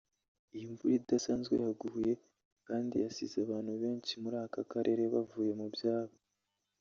Iyi mvura idasanzwe yaguye kandi yasize abantu benshi muri aka karere bavuye mu byabo